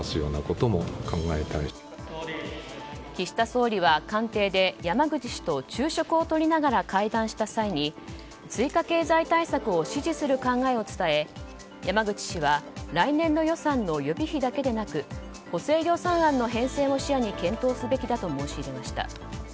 岸田総理は官邸で山口氏と昼食をとりながら会談した際に追加経済対策を指示する考えを伝え山口氏は、来年度予算の予備費だけでなく補正予算案の編成も視野に検討すべきだと申し入れました。